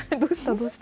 どうした？